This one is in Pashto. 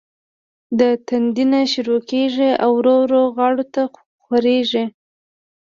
د تندي نه شورو کيږي او ورو ورو غاړو ته خوريږي